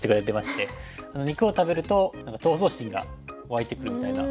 肉を食べると闘争心が湧いてくるみたいな意味が。